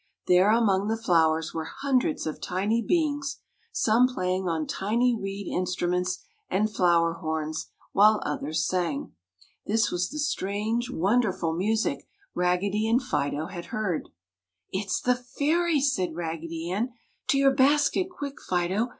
There among the flowers were hundreds of tiny beings, some playing on tiny reed instruments and flower horns, while others sang. This was the strange, wonderful music Raggedy and Fido had heard. "It's the Fairies!" said Raggedy Ann. "To your basket quick, Fido!